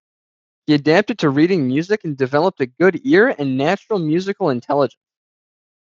He adapted to reading music and developed a good ear and natural musical intelligence.